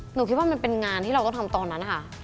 หนูคิดว่ามันเป็นงานที่เราต้องทำตอนนั้นนะคะ